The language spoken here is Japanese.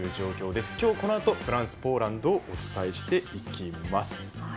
今日このあとフランス対ポーランドをお伝えしていきます。